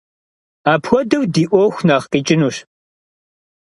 Апхуэдэу ди ӏуэху нэхъ къикӏынущ.